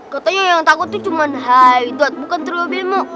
katanya yang takut tuh cuma haidot bukan trio bemo